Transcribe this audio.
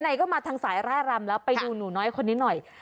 ไหนก็มาทางสายร่ายรำแล้วไปดูหนูน้อยคนนี้หน่อย